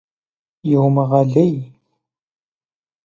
Иумыгъэлей!